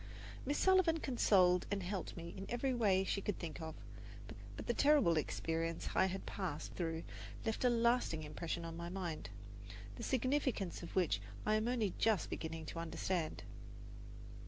Miss Sullivan consoled and helped me in every way she could think of; but the terrible experience I had passed through left a lasting impression on my mind, the significance of which I am only just beginning to understand.